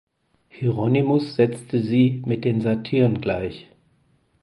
Hieronymus setzte sie mit den Satyrn gleich.